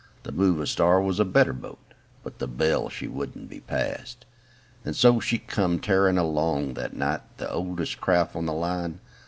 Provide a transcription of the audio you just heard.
The Movastar was a better boat, But the Belle she wouldn't be passed; â¢And so come tearin' along that night, â The oldest craft on the line.